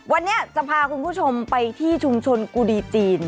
วันนี้จะพาคุณผู้ชมไปที่ชุมชนกูดีจีน